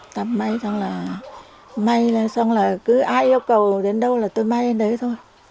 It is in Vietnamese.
tập may xong là may lên xong là cứ ai yêu cầu đến đâu là tôi may đến đấy thôi